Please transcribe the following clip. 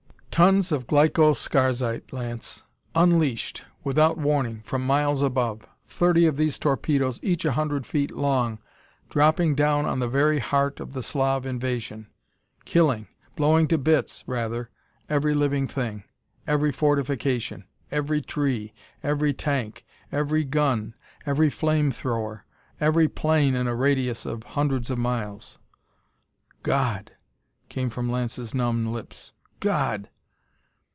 "Tons of glyco scarzite, Lance! Unleashed, without warning, from miles above! Thirty of these torpedoes, each a hundred feet long, dropping down on the very heart of the Slav invasion! Killing, blowing to bits, rather, every living thing, every fortification, every tree, every tank, every gun, every flame thrower, every plane in a radius of hundreds of miles!" "God!" came from Lance's numb lips. "God!"